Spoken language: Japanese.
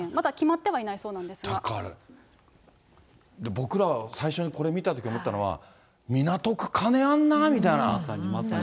僕らは最初に、これ見たときに思ったのは、港区、金あまさに、まさに。